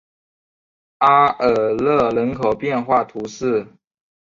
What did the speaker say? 阿尔勒人口变化图示